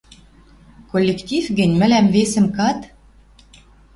Коллектив гӹнь, мӹлӓм весӹм кад?